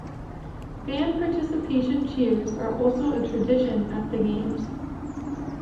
Fan participation cheers are also a tradition at the games.